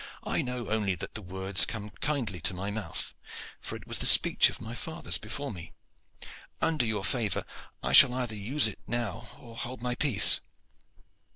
"I know only that the words come kindly to my mouth, for it was the speech of my fathers before me. Under your favor, I shall either use it now or hold my peace."